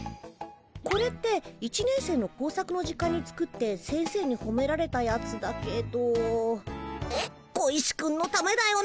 これって１年生の工作の時間に作って先生にほめられたやつだけど小石君のためだよね。